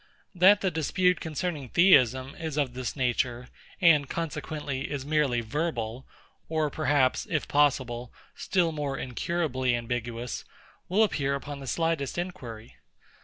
That the dispute concerning Theism is of this nature, and consequently is merely verbal, or perhaps, if possible, still more incurably ambiguous, will appear upon the slightest inquiry.